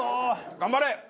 頑張れ！